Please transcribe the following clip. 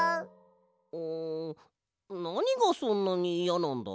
んなにがそんなにいやなんだ？